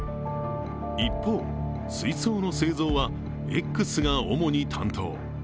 一方、水槽の製造はＸが主に担当。